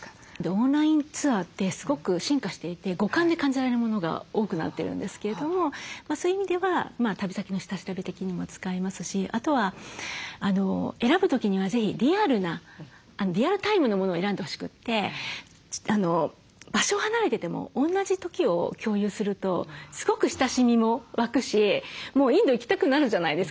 オンラインツアーってすごく進化していて五感で感じられるものが多くなってるんですけれどもそういう意味では旅先の下調べ的にも使えますしあとは選ぶ時には是非リアルなリアルタイムのものを選んでほしくて場所離れてても同じ時を共有するとすごく親しみも湧くしもうインド行きたくなるじゃないですか。